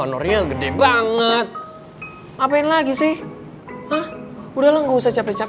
lo yang minta dua puluh lima botol kecap